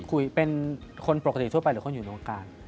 คุยเป็นคนปกติทั่วไปหรือคนอยู่ในวงการ